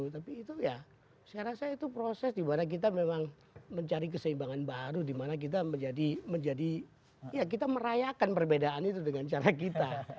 tapi itu ya saya rasa itu proses dimana kita memang mencari keseimbangan baru dimana kita menjadi ya kita merayakan perbedaan itu dengan cara kita